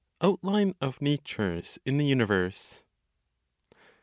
OUTLINE OF NATURES IN THE UNIVERSE.